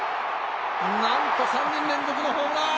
なんと３人連続のホームラン。